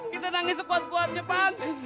kita nangis sekuat kuat cepat